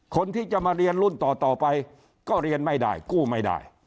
คนที่จะมาเรียนรุ่นต่อไปก็เรียนไม่ได้กู้ไม่ได้